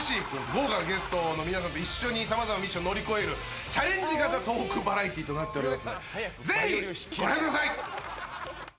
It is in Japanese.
豪華なゲストの皆さんと一緒に様々なミッションを乗り越えるチャレンジ型トークバラエティーとなっておりますのでぜひご覧ください。